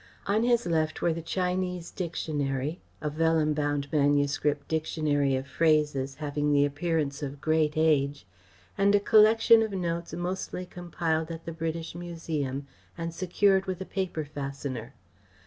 On his left were the Chinese dictionary, a vellum bound manuscript dictionary of phrases, having the appearance of great age, and a collection of notes mostly compiled at the British Museum and secured with a paper fastener.